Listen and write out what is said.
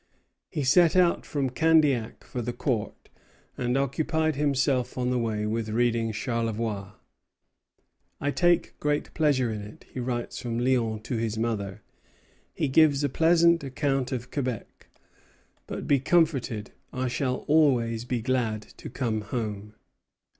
He set out from Candiac for the Court, and occupied himself on the way with reading Charlevoix. "I take great pleasure in it," he writes from Lyons to his mother; "he gives a pleasant account of Quebec. But be comforted; I shall always be glad to come home."